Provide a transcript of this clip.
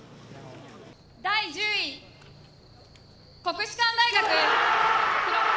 第１０位、国士舘大学。